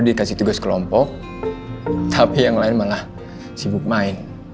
dikasih tugas kelompok tapi yang lain malah sibuk main